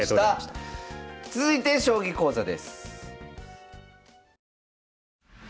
続いて将棋講座です。